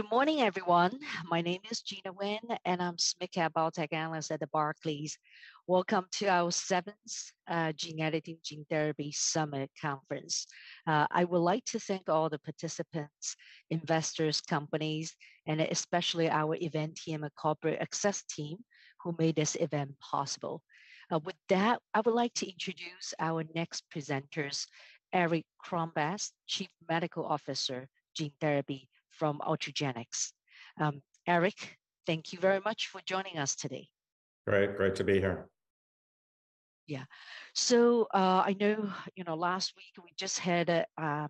Good morning, everyone. My name is Gena SMID Cap biotech analyst at the Barclays. Welcome to our seventh, Gene Editing Gene Therapy Summit conference. I would like to thank all the participants, investors, companies, and especially our event team and corporate access team who made this event possible. With that, I would like to introduce our next presenters, Eric Crombez, Chief Medical Officer, Gene Therapy from Ultragenyx. Eric, thank you very much for joining us today. Great. Great to be here. Yeah. I know, you know, last week we just had a,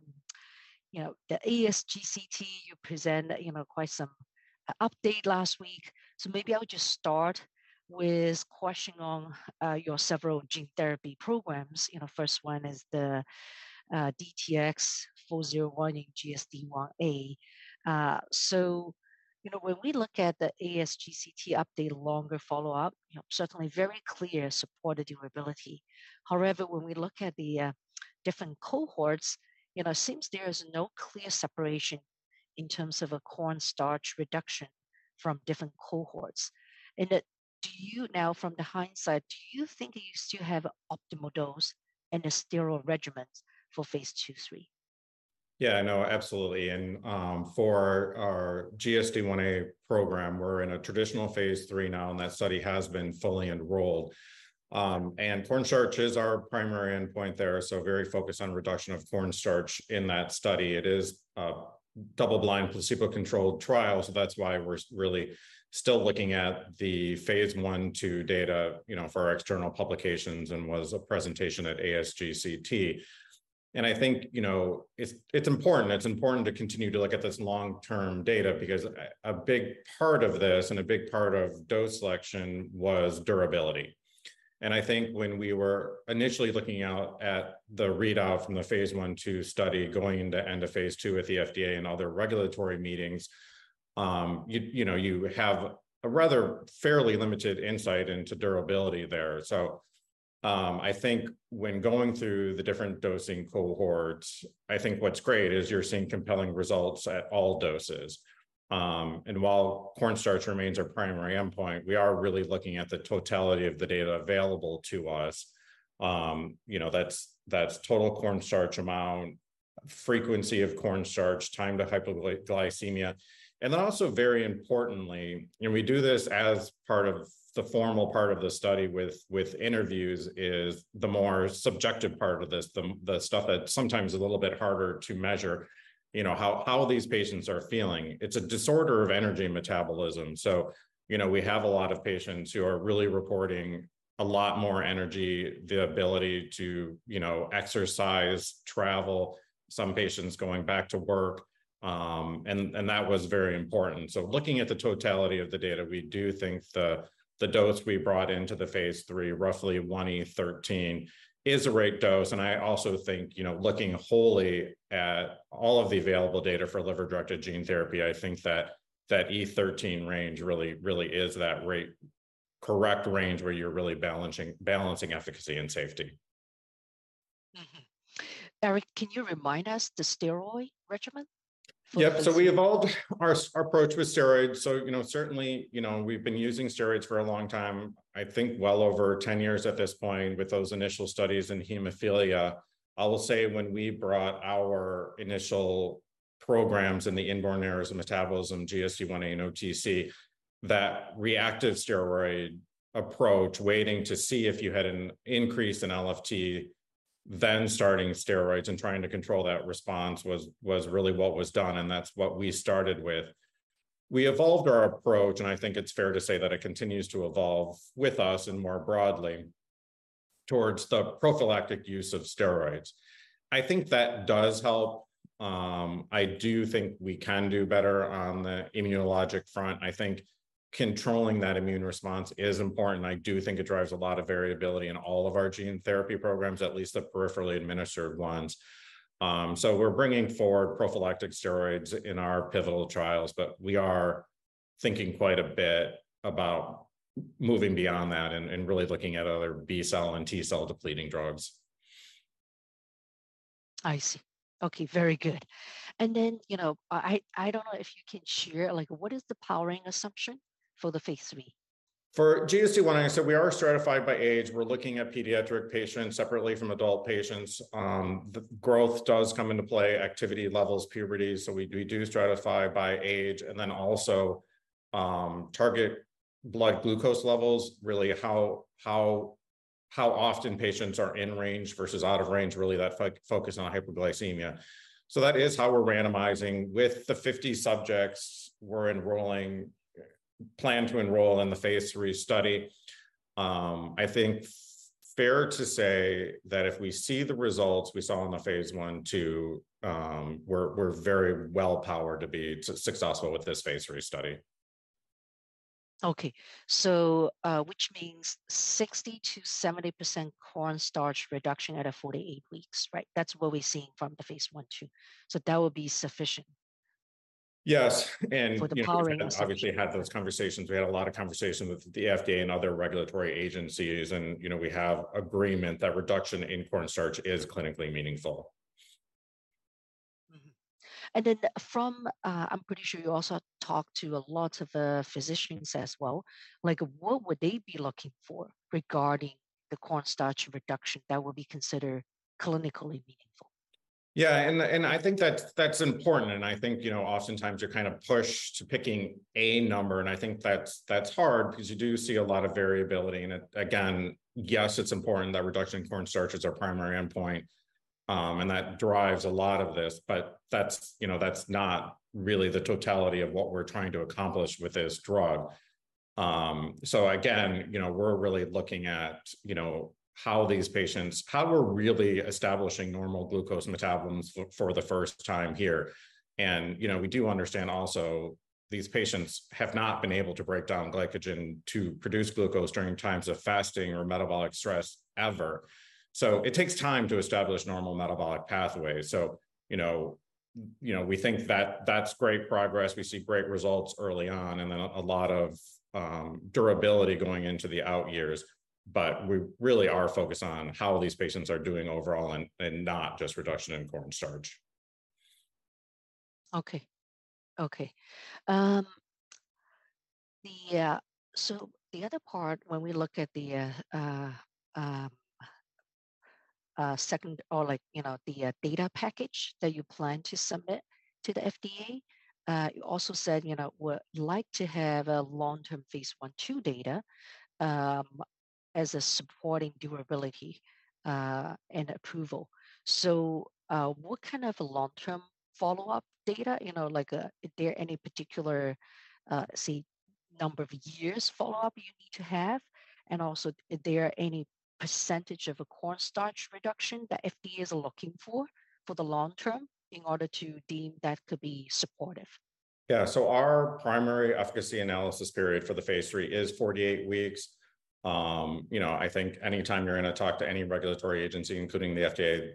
you know, the ASGCT present, you know, quite some update last week. Maybe I'll just start with question on your several gene therapy programs. You know, first one is the DTX401 GSDIa. You know, when we look at the ASGCT update longer follow-up, you know, certainly very clear supported durability. However, when we look at the different cohorts, you know, seems there is no clear separation in terms of a corn starch reduction from different cohorts. Do you now from the hindsight, do you think you still have optimal dose and the steroid regimens for phase II, III? Yeah, no, absolutely. For our GSDIa program, we're in a traditional phase III now. That study has been fully enrolled. Corn starch is our primary endpoint there, very focused on reduction of corn starch in that study. It is a double-blind placebo-controlled trial. That's why we're really still looking at the phase I/II data, you know, for our external publications and was a presentation at ASGCT. I think, you know, it's important. It's important to continue to look at this long-term data because a big part of this and a big part of dose selection was durability. I think when we were initially looking out at the readout from the phase I/II study going into end of phase II with the FDA and other regulatory meetings, you know, you have a rather fairly limited insight into durability there. I think when going through the different dosing cohorts, I think what's great is you're seeing compelling results at all doses. While corn starch remains our primary endpoint, we are really looking at the totality of the data available to us. You know, that's total corn starch amount, frequency of corn starch, time to hypoglycemia. Also very importantly, and we do this as part of the formal part of the study with interviews, is the more subjective part of this, the stuff that's sometimes a little bit harder to measure, you know, how these patients are feeling. It's a disorder of energy metabolism, you know, we have a lot of patients who are really reporting a lot more energy, the ability to, you know, exercise, travel, some patients going back to work, and that was very important. Looking at the totality of the data, we do think the dose we brought into the phase III, roughly 1E13, is a right dose. I also think, you know, looking wholly at all of the available data for liver-directed gene therapy, I think that E13 range really is that right correct range where you're balancing efficacy and safety. Mm-hmm. Eric, can you remind us the steroid regimen? Yep. We evolved our approach with steroids. You know, certainly, you know, we've been using steroids for a long time, I think well over 10 years at this point with those initial studies in hemophilia. I will say when we brought our initial programs in the inborn errors of metabolism, GSDIa and OTC, that reactive steroid approach, waiting to see if you had an increase in LFT, then starting steroids and trying to control that response was really what was done, and that's what we started with. We evolved our approach, and I think it's fair to say that it continues to evolve with us and more broadly towards the prophylactic use of steroids. I think that does help. I do think we can do better on the immunologic front. I think controlling that immune response is important, and I do think it drives a lot of variability in all of our gene therapy programs, at least the peripherally administered ones. We're bringing forward prophylactic steroids in our pivotal trials, but we are thinking quite a bit about moving beyond that and really looking at other B-cell and T-cell depleting drugs. I see. Okay. Very good. You know, I don't know if you can share, like, what is the powering assumption for the phase III? For GSDIa, we are stratified by age. We're looking at pediatric patients separately from adult patients. The growth does come into play, activity levels, puberty, we do stratify by age and then also target blood glucose levels, really how often patients are in range versus out of range, really that focus on hyperglycemia. That is how we're randomizing. With the 50 subjects we're enrolling plan to enroll in the phase III study, I think fair to say that if we see the results we saw in the phase I/II, we're very well-powered to be successful with this phase III study. Okay. which means 60%-70% corn starch reduction at a 48 weeks, right? That's what we're seeing from the phase I/II. That would be sufficient- Yes. you know. for the powering assumption We obviously had those conversations. We had a lot of conversations with the FDA and other regulatory agencies and, you know, we have agreement that reduction in corn starch is clinically meaningful. From, I'm pretty sure you also talked to a lot of the physicians as well, like, what would they be looking for regarding the cornstarch reduction that would be considered clinically meaningful? Yeah. I think that's important. I think, you know, oftentimes you're kind of pushed to picking a number, and I think that's hard because you do see a lot of variability. Again, yes, it's important that reduction in cornstarch is our primary endpoint, and that drives a lot of this, but that's, you know, that's not really the totality of what we're trying to accomplish with this drug. Again, you know, we're really looking at, you know, how we're really establishing normal glucose metabolism for the first time here. You know, we do understand also these patients have not been able to break down glycogen to produce glucose during times of fasting or metabolic stress ever. It takes time to establish normal metabolic pathways. You know, we think that that's great progress. We see great results early on and then a lot of durability going into the out years. We really are focused on how these patients are doing overall and not just reduction in cornstarch. Okay. Okay. The other part, when we look at the second or like, you know, the data package that you plan to submit to the FDA, you also said, you know, would like to have a long-term phase I/II data as a supporting durability and approval. What kind of long-term follow-up data? You know, like, is there any particular, say, number of years follow-up you need to have? Also, is there any % of a cornstarch reduction the FDA is looking for the long term in order to deem that to be supportive? Our primary efficacy analysis period for the phase III is 48 weeks. you know, I think anytime you're gonna talk to any regulatory agency, including the FDA,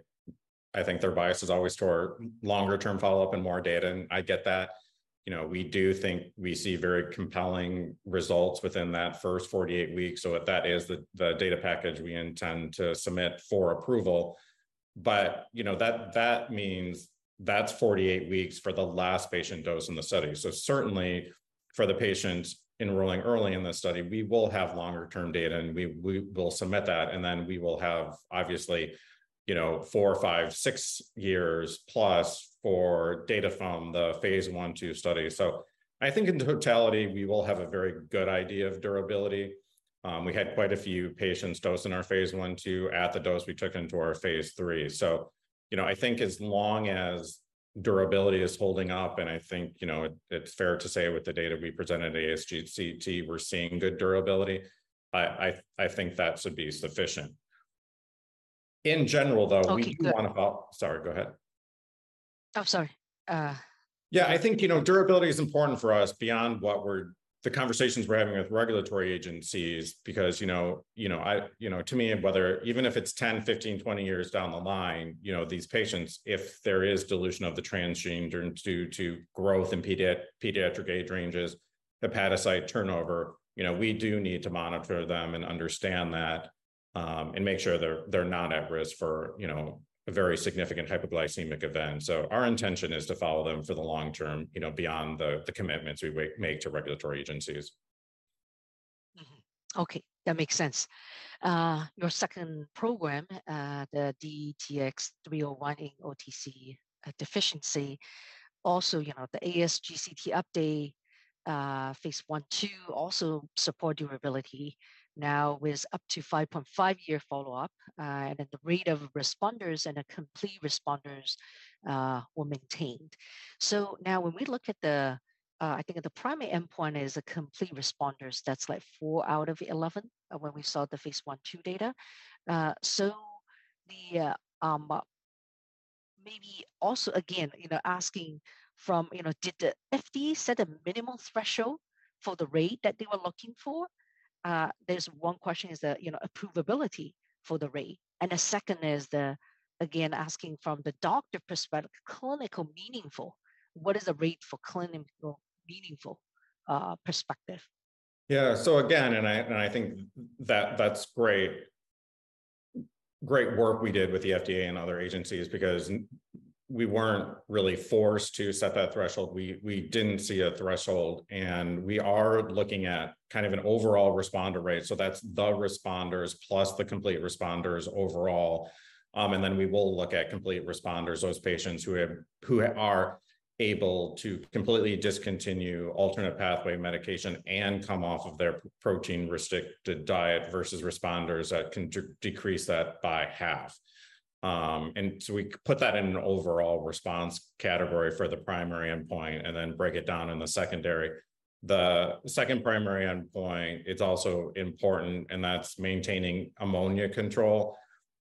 I think their bias is always toward longer term follow-up and more data, and I get that. You know, we do think we see very compelling results within that first 48 weeks, so if that is the data package we intend to submit for approval. you know, that means that's 48 weeks for the last patient dose in the study. Certainly for the patients enrolling early in the study, we will have longer term data, and we will submit that, and then we will have, obviously, you know, four, five, six years plus for data from the phase I/II study. I think in totality, we will have a very good idea of durability. We had quite a few patients dose in our phase I/II at the dose we took into our phase III. You know, I think as long as durability is holding up, and I think, you know, it's fair to say with the data we presented ASGCT, we're seeing good durability, I think that should be sufficient. In general, though- Okay. We do wanna follow... Sorry, go ahead. Oh, sorry. I think, you know, durability is important for us beyond the conversations we're having with regulatory agencies because, you know, you know, I, you know, to me, even if it's 10, 15, 20 years down the line, you know, these patients, if there is dilution of the transgene due to growth in pediatric age ranges, hepatocyte turnover, you know, we do need to monitor them and understand that, and make sure they're not at risk for, you know, a very significant hypoglycemic event. Our intention is to follow them for the long term, you know, beyond the commitments we make to regulatory agencies. Okay. That makes sense. Your second program, the DTX301 in OTC deficiency, also, you know, the ASGCT update, phase I/II also support durability now with up to 5.5 year follow-up, the rate of responders and complete responders were maintained. Now when we look at the, I think the primary endpoint is the complete responders, that's like four out of 11, when we saw the phase I/II data. The, maybe also again, you know, asking from, you know, did the FDA set a minimal threshold for the rate that they were looking for? There's one question, is the, you know, approvability for the rate. The second is the, again, asking from the doctor perspective, clinical meaningful, what is the rate for clinical meaningful perspective? Again, and I think that that's great work we did with the FDA and other agencies because we weren't really forced to set that threshold. We didn't see a threshold, and we are looking at kind of an overall responder rate. That's the responders plus the complete responders overall. Then we will look at complete responders, those patients who are able to completely discontinue alternate pathway medication and come off of their protein restricted diet versus responders that can decrease that by half. So we put that in an overall response category for the primary endpoint and then break it down in the secondary. The second primary endpoint, it's also important, and that's maintaining ammonia control.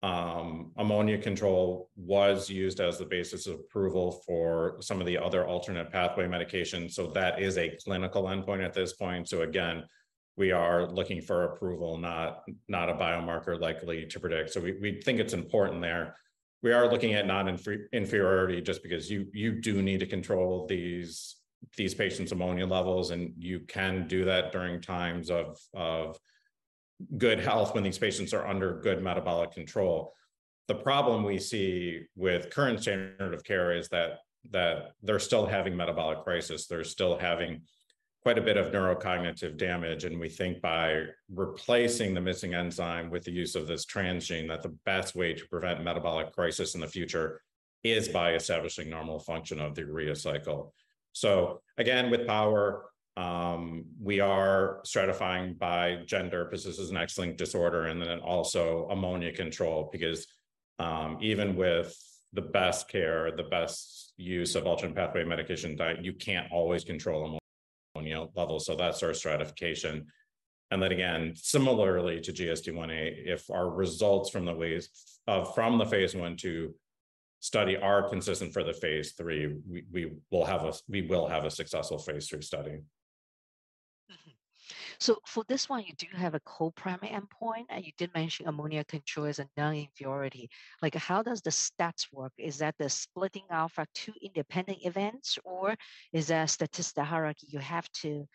Ammonia control was used as the basis of approval for some of the other alternate pathway medications, that is a clinical endpoint at this point. Again, we are looking for approval, not a biomarker likely to predict. We, we think it's important there. We are looking at non-inferiority just because you do need to control these patients' ammonia levels, and you can do that during times of good health when these patients are under good metabolic control. The problem we see with current standard of care is that they're still having metabolic crisis. They're still having quite a bit of neurocognitive damage, and we think by replacing the missing enzyme with the use of this transgene that the best way to prevent metabolic crisis in the future is by establishing normal function of the urea cycle. Again, with power, we are stratifying by gender because this is an X-linked disorder, and then also ammonia control because, even with the best care, the best use of alternate pathway medication diet, you can't always control ammonia levels. That's our stratification. Again, similarly to GSDIa, if our results from the phase I/II study are consistent for the phase III, we will have a successful phase III study. Mm-hmm. For this one, you do have a co-primary endpoint, and you did mention ammonia control as a non-inferiority. Like, how does the stats work? Is that the splitting out for two independent events, or is there a statistical hierarchy you have to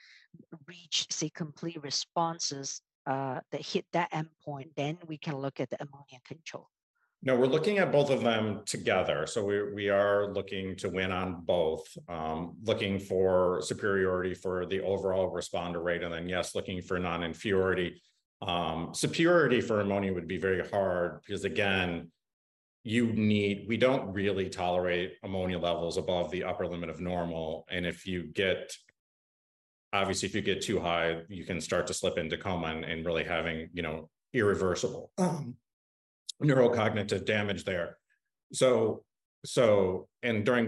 reach, say, complete responses, that hit that endpoint, then we can look at the ammonia control? We're looking at both of them together. We are looking to win on both, looking for superiority for the overall responder rate, yes, looking for non-inferiority. Superiority for ammonia would be very hard because again, We don't really tolerate ammonia levels above the upper limit of normal, and Obviously, if you get too high, you can start to slip into coma and really having, you know, irreversible neurocognitive damage there. During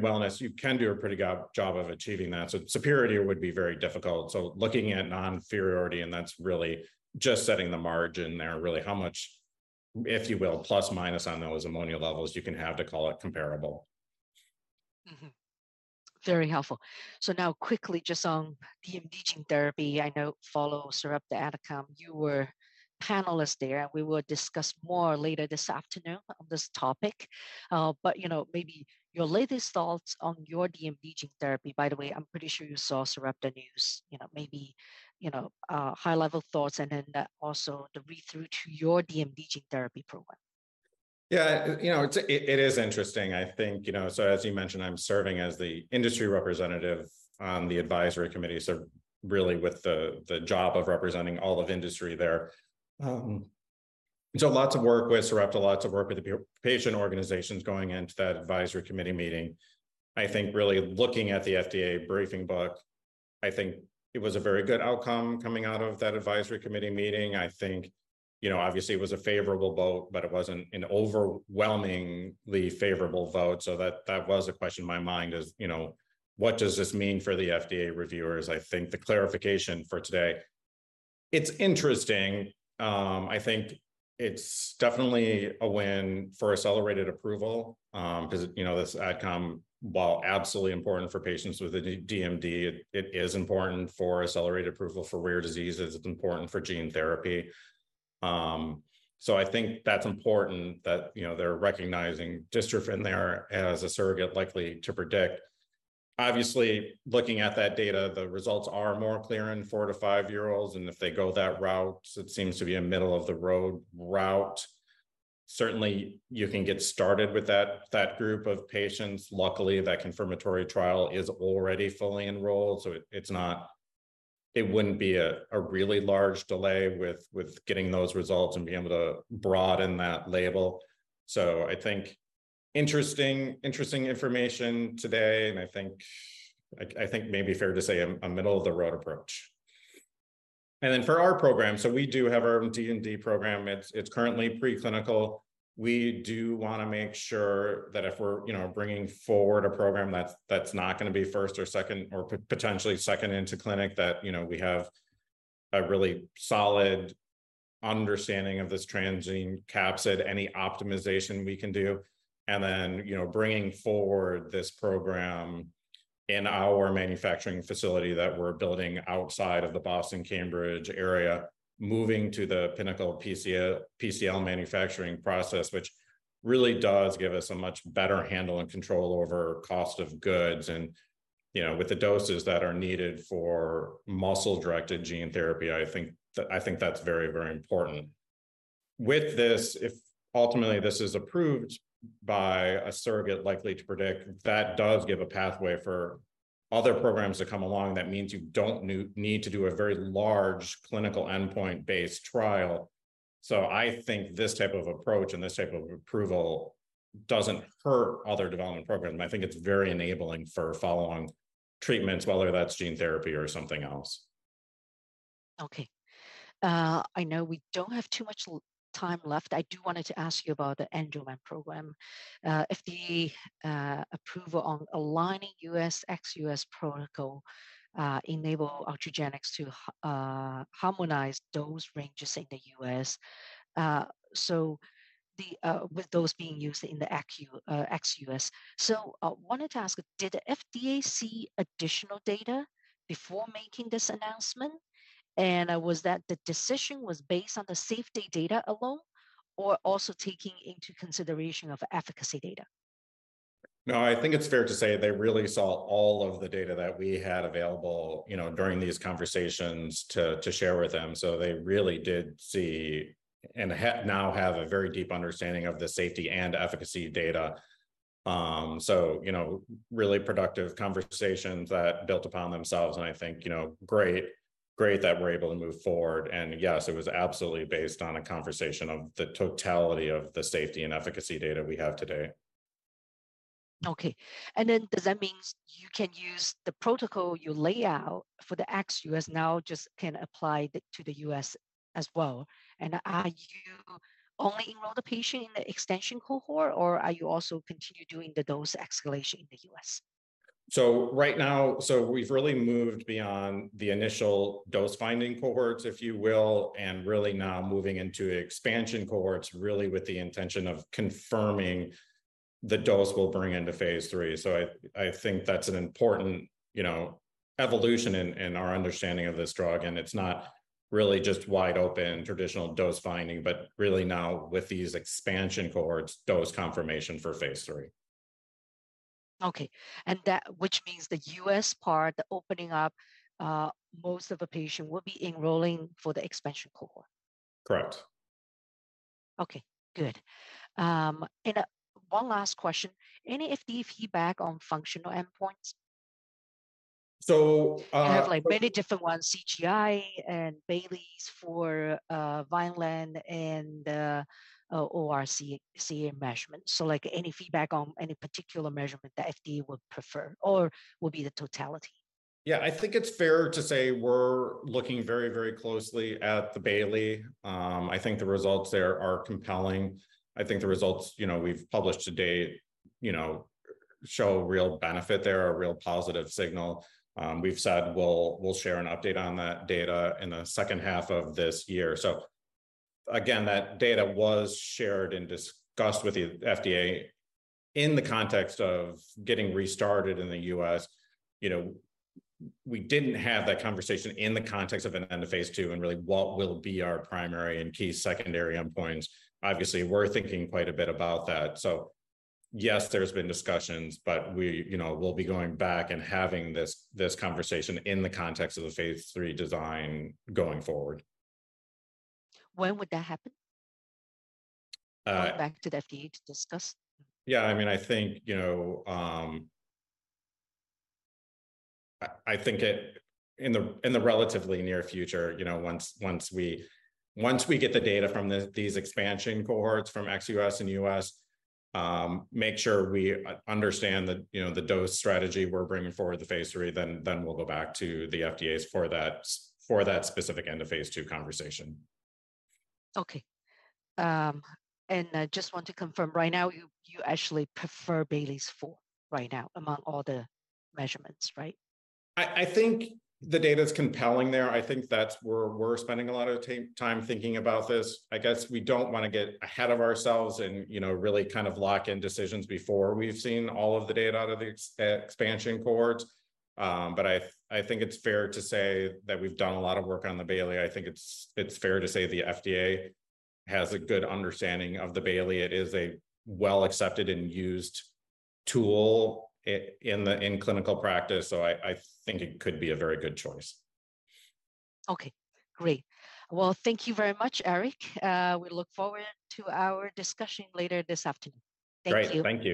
wellness, you can do a pretty good job of achieving that. Superiority would be very difficult. Looking at non-inferiority, and that's really just setting the margin there, really how much, if you will, plus minus on those ammonia levels you can have to call it comparable. Very helpful. Now quickly just on the DMD gene therapy. I know follow Sarepta outcome. You were panelist there, and we will discuss more later this afternoon on this topic. You know, maybe your latest thoughts on your DMD gene therapy. By the way, I'm pretty sure you saw Sarepta news, you know. Maybe, you know, high-level thoughts and then, also the read-through to your DMD gene therapy program. Yeah, you know, it's interesting. I think, you know, as you mentioned, I'm serving as the industry representative on the advisory committee, really with the job of representing all of industry there. Lots of work with Sarepta, lots of work with the patient organizations going into that advisory committee meeting. I think really looking at the FDA briefing book, I think it was a very good outcome coming out of that advisory committee meeting. I think, you know, obviously, it was a favorable vote, but it wasn't an overwhelmingly favorable vote. That was a question in my mind is, you know, what does this mean for the FDA reviewers? I think the clarification for today, it's interesting. I think it's definitely a win for accelerated approval, because, you know, this outcome, while absolutely important for patients with DMD, it is important for accelerated approval for rare diseases. It's important for gene therapy. I think that's important that, you know, they're recognizing dystrophin there as a surrogate likely to predict. Obviously, looking at that data, the results are more clear in four-five-year-olds, and if they go that route, it seems to be a middle-of-the-road route. Certainly, you can get started with that group of patients. Luckily, that confirmatory trial is already fully enrolled, it wouldn't be a really large delay with getting those results and being able to broaden that label. I think interesting information today, and I think maybe fair to say a middle-of-the-road approach. For our program, we do have our DMD program. It's currently preclinical. We do wanna make sure that if we're, you know, bringing forward a program that's not gonna be first or second or potentially second into clinic, that, you know, we have a really solid understanding of this transgene capsid, any optimization we can do, and then, you know, bringing forward this program in our manufacturing facility that we're building outside of the Boston-Cambridge area, moving to the Pinnacle PCL manufacturing process, which really does give us a much better handle and control over cost of goods and, you know, with the doses that are needed for muscle-directed gene therapy, I think that's very, very important. With this, if ultimately this is approved by a surrogate likely to predict, that does give a pathway for other programs to come along. That means you don't need to do a very large clinical endpoint-based trial. I think this type of approach and this type of approval doesn't hurt other development programs. It's very enabling for follow-on treatments, whether that's gene therapy or something else. Okay. I know we don't have too much time left. I do wanted to ask you about the Enduranc program. If the approval on aligning U.S., ex-U.S. protocol, enable Ultragenyx to harmonize those ranges in the U.S., so the with those being used in the ex-U.S. Wanted to ask, did FDA see additional data before making this announcement? Was that the decision was based on the safety data alone, or also taking into consideration of efficacy data? No, I think it's fair to say they really saw all of the data that we had available, you know, during these conversations to share with them. They really did see and now have a very deep understanding of the safety and efficacy data. You know, really productive conversations that built upon themselves, and I think, you know, great that we're able to move forward. Yes, it was absolutely based on a conversation of the totality of the safety and efficacy data we have today. Okay. does that means you can use the protocol you lay out for the ex-U.S. now just can apply it to the U.S. as well? are you only enroll the patient in the extension cohort, or are you also continue doing the dose escalation in the U.S.? Right now, we've really moved beyond the initial dose-finding cohorts, if you will, and really now moving into expansion cohorts, really with the intention of confirming the dose we'll bring into phase III. I think that's an important, you know, evolution in our understanding of this drug, and it's not really just wide open traditional dose finding, but really now with these expansion cohorts, dose confirmation for phase III. Okay. That, which means the U.S part, the opening up, most of the patient will be enrolling for the expansion cohort. Correct. Okay, good. one last question. Any FDA feedback on functional endpoints? So, uh- You have, like, many different ones, CGI and Bayley for, Vineland and, ORCA, CA measurements. Like, any feedback on any particular measurement the FDA would prefer or would be the totality? I think it's fair to say we're looking very, very closely at the Bayley. I think the results there are compelling. I think the results, you know, we've published to date, you know, show real benefit there, a real positive signal. We've said we'll share an update on that data in the second half of this year. Again, that data was shared and discussed with the FDA in the context of getting restarted in the U.S. You know, we didn't have that conversation in the context of an end of phase II and really what will be our primary and key secondary endpoints. Obviously, we're thinking quite a bit about that. Yes, there's been discussions, but we, you know, we'll be going back and having this conversation in the context of the phase III design going forward. When would that happen? Uh- Going back to the FDA to discuss? I think, in the relatively near future, once we get the data from these expansion cohorts from ex-US and US, make sure we understand the dose strategy we're bringing forward to phase III, then we'll go back to the FDA for that, for that specific end of phase II conversation. Okay. I just want to confirm, right now you actually prefer Bayley-4 right now among all the measurements, right? I think the data's compelling there. I think that's where we're spending a lot of time thinking about this. I guess we don't wanna get ahead of ourselves and, you know, really kind of lock in decisions before we've seen all of the data out of the expansion cohorts. I think it's fair to say that we've done a lot of work on the Bayley. I think it's fair to say the FDA has a good understanding of the Bayley. It is a well-accepted and used tool in clinical practice, I think it could be a very good choice. Okay, great. Well, thank you very much, Eric. We look forward to our discussion later this afternoon. Thank you. Great. Thank you.